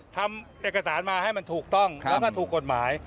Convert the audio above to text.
ทำเอกสารมาให้มันถูกต้องแล้วก็ถูกกฎหมาย